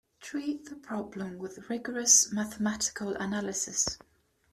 Treat the problem with rigorous mathematical analysis.